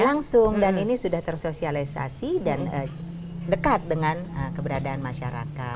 langsung dan ini sudah tersosialisasi dan dekat dengan keberadaan masyarakat